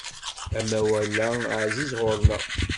Amawal-a ɛziz ɣur-neɣ.